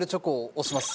推します。